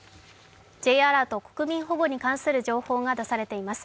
Ｊアラート、国民保護に関する情報が出されています。